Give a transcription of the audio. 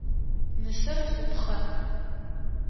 Нысэр хъупхъэ.